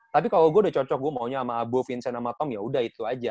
tapi kalau gue udah cocok gue maunya sama abu vincent sama tom ya udah itu aja